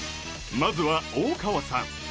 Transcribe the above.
まずは大川さん